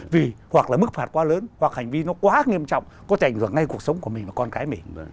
vì hoặc là mức phạt quá lớn hoặc hành vi nó quá nghiêm trọng có thể ảnh hưởng ngay cuộc sống của mình và con cái mình